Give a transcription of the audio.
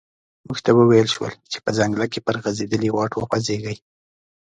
موږ ته و ویل شول چې په ځنګله کې پر غزیدلي واټ وخوځیږئ.